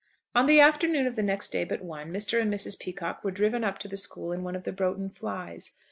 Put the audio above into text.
On the afternoon of the next day but one, Mr. and Mrs. Peacocke were driven up to the school in one of the Broughton flys.